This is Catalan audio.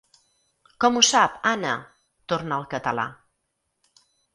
Com ho sap, Anna? —torna al català—.